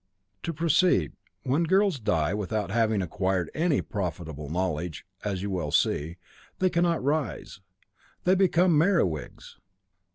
To proceed. When girls die, without having acquired any profitable knowledge, as you well see, they cannot rise. They become Merewigs."